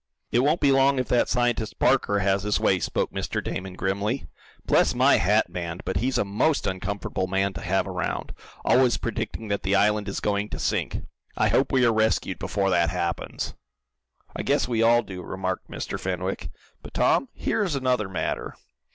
"It won't be long if that scientist Parker has his way," spoke Mr. Damon, grimly. "Bless my hat band, but he's a MOST uncomfortable man to have around; always predicting that the island is going to sink! I hope we are rescued before that happens." "I guess we all do," remarked Mr. Fenwick. "But, Tom, here is another matter.